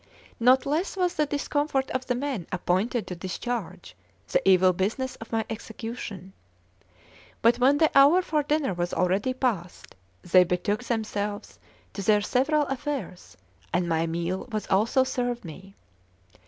Not less was the discomfort of the men appointed to discharge the evil business of my execution; but when the hour for dinner was already past, they betook themselves to their several affairs, and my meal was also served me.